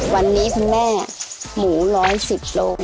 วันนี้คุณแม่หมู๑๑๐กกโลครับ